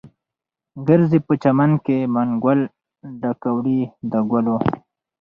ګرځې په چمن کې، منګول ډکه وړې د ګلو